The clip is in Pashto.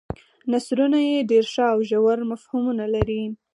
نثرونه یې ډېر ښه او ژور مفهومونه لري.